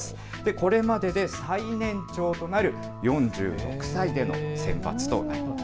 これまでで最年長となる４６歳での選抜となりました。